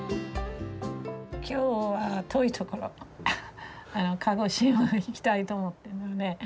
今日は遠い所鹿児島に行きたいと思っているのね。